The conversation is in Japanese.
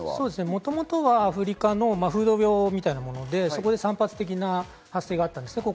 もともとはアフリカの風土病みたいなもので、そこで散発的な発生があったんです。